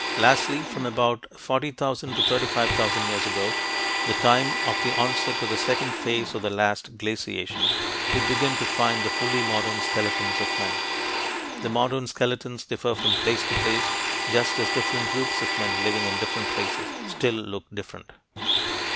Lastly, from about 40,000 or 35,000 years ago the time of the onset of the second phase of the last glaciation we begin to find the fully modern skeletons of men. The modern skeletons differ from place to place, just as different groups of men living in different places still look different.